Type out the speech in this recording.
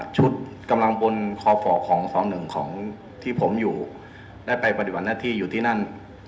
ชุดกำลังบนคอฝของหนึ่งของที่ผมอยู่ได้ไปปฏิบัติหน้าที่อยู่ที่นั่น